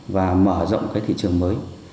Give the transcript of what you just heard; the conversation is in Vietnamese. và mở rộng cái thị trường mới